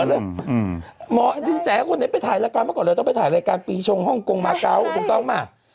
แต่ฮ่องกงส่วนใหญ่เราขอเรื่องงานเนอะ